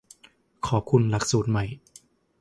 ขอบคุณหลักสูตรใหม่